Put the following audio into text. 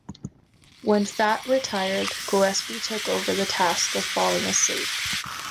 When Fatt retired, Gillespie took over the task of falling asleep.